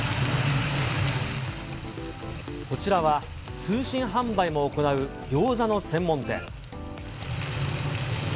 こちらは、通信販売も行うギョーザの専門店。